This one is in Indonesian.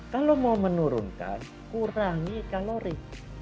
kalau mau menurunkan kurangi kalori